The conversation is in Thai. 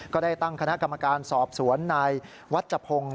ก็ได้ตั้งคณะกรรมการสอบสวนนายวัชพงศ์